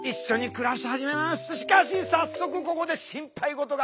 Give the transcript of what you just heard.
しかし早速ここで心配事が。